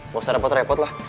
gak usah repot repot lah